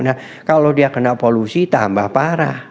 nah kalau dia kena polusi tambah parah